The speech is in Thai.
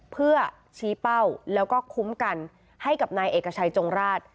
เพื่อชี้เป้าแล้วก็คุ้มกันให้กับนายเอกชัยจงราช